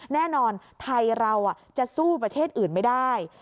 แน่นอนไทยเราจะสู้ประเทศอื่นไม่ได้